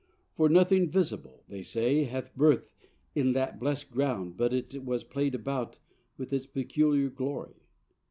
For nothing visible, they say, had birth In that blest ground but it was play'd about With its peculiar glory.